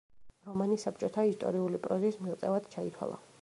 რომანი საბჭოთა ისტორიული პროზის მიღწევად ჩაითვალა.